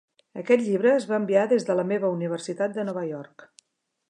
Aquest llibre es va enviar des de la meva universitat de Nova York.